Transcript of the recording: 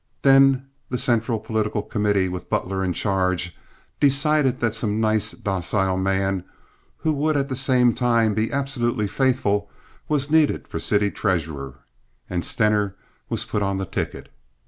Then the central political committee, with Butler in charge, decided that some nice, docile man who would at the same time be absolutely faithful was needed for city treasurer, and Stener was put on the ticket.